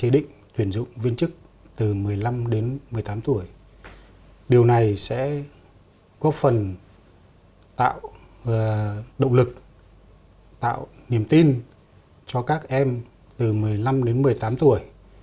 điều này sẽ góp phần tạo động lực tạo niềm tin cho các em từ một mươi năm đến một mươi tám tuổi